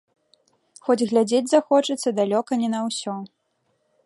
Хоць глядзець захочацца далёка не на ўсё.